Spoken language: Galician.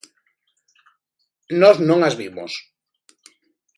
Nós non as vimos.